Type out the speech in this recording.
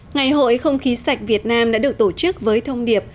ngày hội không khí sạch việt nam đã được tổ chức với thông điệp